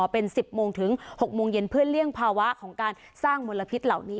เป็น๑๐โมงถึง๖โมงเย็นเพื่อเลี่ยงภาวะของการสร้างมลพิษเหล่านี้